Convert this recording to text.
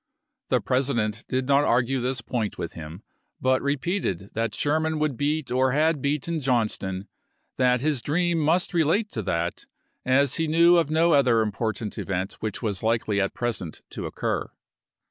The Presi dent did not argue this point with him, but repeated that Sherman would beat or had beaten Johnston ; that his dream must relate to that, as he knew of no other important event which was likely at present to occur.